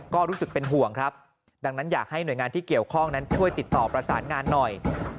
ก็รู้สึกเป็นห่วงครับดังนั้นอยากให้หน่วยงานที่เกี่ยวข้องนั้นช่วยติดต่อประสานงานหน่อย